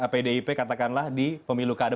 pdip katakanlah di pemilu kada